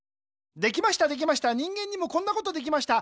できましたできました人間にもこんなことできました。